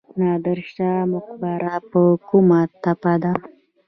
نادر شاه مقبره په کومه تپه ده؟